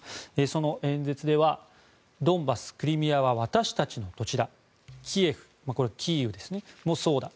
その演説ではドンバスクリミアは私たちの土地だキエフ、これはキーウですねこれもそうだ。